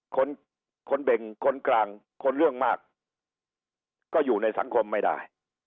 คนคนเบ่งคนกลางคนเรื่องมากก็อยู่ในสังคมไม่ได้